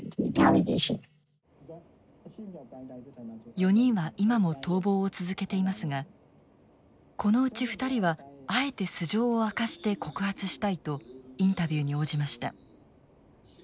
４人は今も逃亡を続けていますがこのうち２人はあえて素性を明かして告発したいとインタビューに応じました。